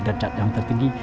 dan cadian yang tertinggi